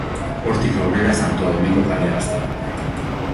Hortik aurrera Santo Domingo kalea hasten da.